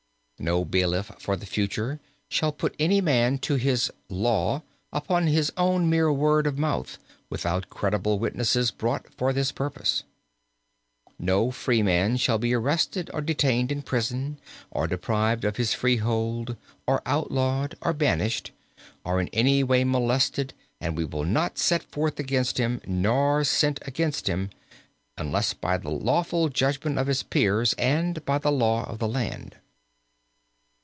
"No bailiff for the future shall put any man to his 'law' upon his own mere word of mouth, without credible witnesses brought for this purpose. "No freeman shall be arrested or detained in prison, or deprived of his freehold, or outlawed, or banished, or in any way molested, and we will not set forth against him, nor send against him, unless by the lawful judgment of his peers and by the law of the land.